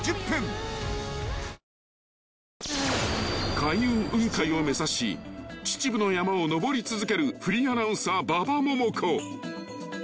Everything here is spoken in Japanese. ［開運雲海を目指し秩父の山を登り続けるフリーアナウンサー馬場ももこ］